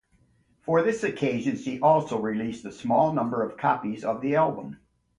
For this occasion, she also released a small number of copies of the album.